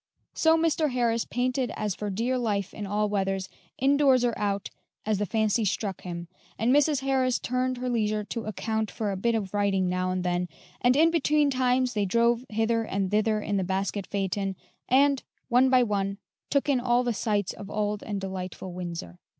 So Mr. Harris painted as for dear life in all weathers, indoors or out, as the fancy struck him, and Mrs. Harris turned her leisure to account for a bit of writing now and then, and in between times they drove hither and thither in the basket phaeton, and, one by one, took in all the sights of old and delightful Windsor.